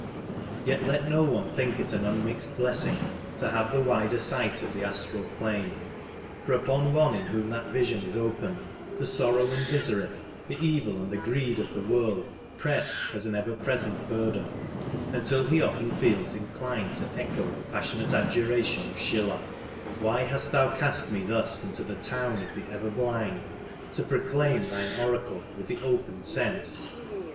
Yet let no one think it an unmixed blessing to have the wider sight of the astral plane, for upon one in whom that vision is opened the sorrow and misery, the evil and the greed of the world press as an ever present burden, until he often feels inclined to echo the passionate adjuration of Schiller :Why hast thou cast me thus into the town of the ever blind, to proclaim thine oracle with the opened sense